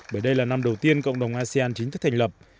bởi đây là năm đầu tiên cộng đồng asean chính thức thành lập